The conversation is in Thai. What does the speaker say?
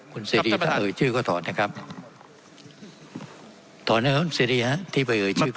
คุณเสรีถ้าเอ่ยชื่อก็ถอนนะครับถอนนะครับที่ไปเอ่ยชื่อไป